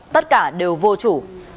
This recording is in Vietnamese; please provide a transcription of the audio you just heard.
tất cả đều vô chủ